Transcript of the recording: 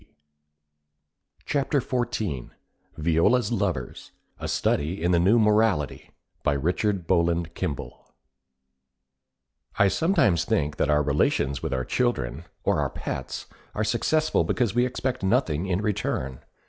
Viola's Lovers A Study in the New Morality By Richard Bowland Kimball I sometimes think that our relations with our children, or our pets, are successful because we expect nothing in return.